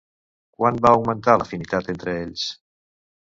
Quan va augmentar l'afinitat entre ells?